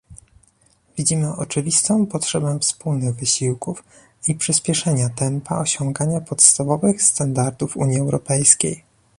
Widzimy oczywistą potrzebę wspólnych wysiłków i przyspieszenia tempa osiągania podstawowych standardów Unii Europejskiej